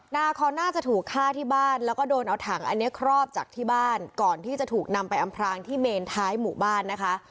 นาคอนน่าจะถูกฆ่าที่บ้านแล้วก็โดนเอาถังอันนี้ครอบจากที่บ้านก่อนที่จะถูกนำไปอำพรางที่เมนท้ายหมู่บ้านนะคะ